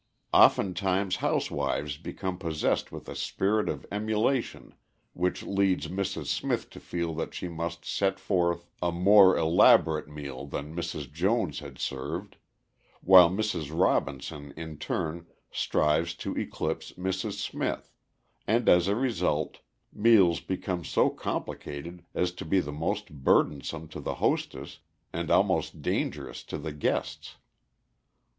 Oftentimes housewives become possessed with a spirit of emulation which leads Mrs. Smith to feel that she must set forth a more elaborate meal than Mrs. Jones had served, while Mrs. Robinson in turn strives to eclipse Mrs. Smith, and as a result meals become so complicated as to be most burdensome to the hostess and almost dangerous to the guests.